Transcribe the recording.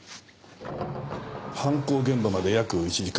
犯行現場まで約１時間。